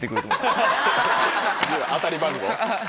当たり番号？